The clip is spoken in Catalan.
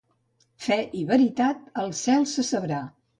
Fe i veritat, al cel se sabrà.